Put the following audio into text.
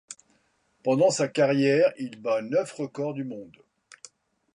Pendant sa carrière, il bat neuf records du monde.